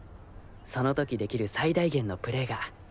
その時できる最大限のプレーが。